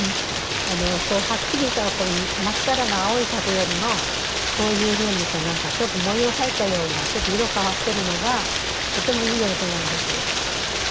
こうはっきりした真っさらな青い竹よりもこういうふうに何かちょっと模様入ったようなちょっと色変わってるのがとてもいい音なんです。